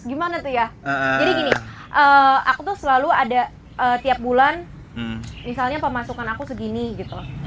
gimana tuh ya jadi gini aku tuh selalu ada tiap bulan misalnya pemasukan aku segini gitu